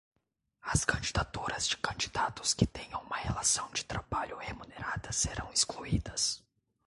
As candidaturas de candidatos que tenham uma relação de trabalho remunerada serão excluídas.